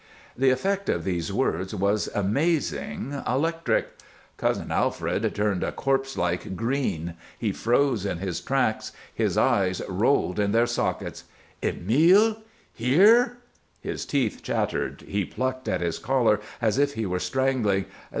The effect of these words was amazing, electric. Cousin Alfred turned a corpselike green; he froze in his tracks; his eyes rolled in their sockets. "Emile! Here!" His teeth chattered, he plucked at his collar as if he were strangling.